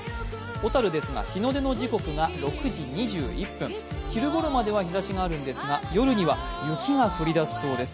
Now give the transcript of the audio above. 小樽ですが日の出の時刻が６時２６分昼頃までは日差しがあるんですが夜には雪が降りだすそうです。